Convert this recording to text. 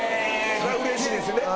それはうれしいですね。